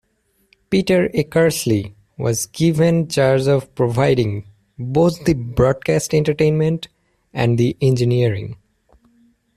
Peter Eckersley was given charge of providing both the broadcast entertainment and the engineering.